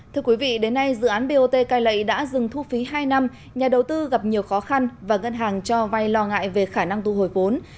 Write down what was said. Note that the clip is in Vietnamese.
thưa quý vị đến nay dự án bot cai lệ đã dừng thu phí hai năm nhà đầu tư gặp nhiều khó khăn và ngân hàng cho vay lo ngại về khả năng thu hồi vốn